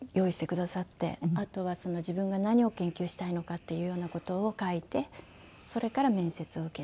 あとは自分が何を研究したいのかっていうような事を書いてそれから面接を受けて。